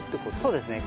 そうですね。